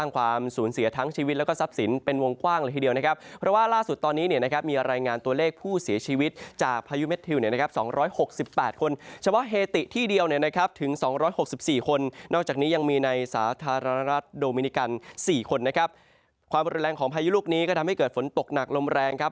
ความรุนแรงของพายุลูกนี้ก็ทำให้เกิดฝนตกหนักลมแรงครับ